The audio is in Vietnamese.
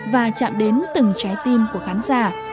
và chạm đến từng trái tim của khán giả